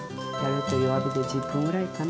弱火で１０分ぐらいかな。